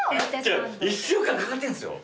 １週間かかってんすよ。